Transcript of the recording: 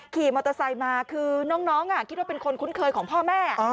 ขี่มอเตอร์ไซค์มาคือน้องคิดว่าเป็นคนคุ้นเคยของพ่อแม่